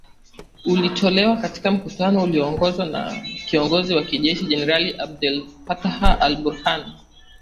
ulitolewa katika mkutano ulioongozwa na kiongozi wa kijeshi , jenerali Abdel Fattah al- Burhan